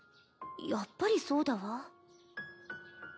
やっぱりそうだわ。